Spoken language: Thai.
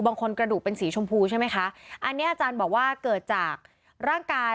กระดูกเป็นสีชมพูใช่ไหมคะอันนี้อาจารย์บอกว่าเกิดจากร่างกาย